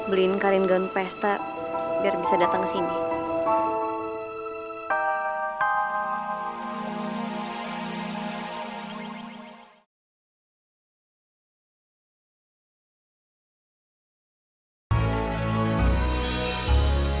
beliin karin gaun pesta biar bisa datang kesini